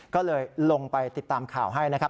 ก็เลยลงไปติดตามข่าวให้นะครับ